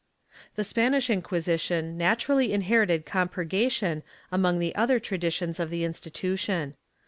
The Spanish Inquisition naturally inherited compurgation among the other traditions of the institution.